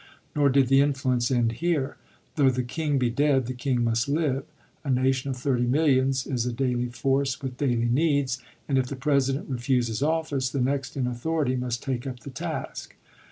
Nor did the influence end here. Though the king be dead, the king must live. A nation of thirty millions is a daily force with daily needs, and if the President refuse his office, the next in authority must take up the task.